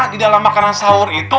di dalam makanan sahur itu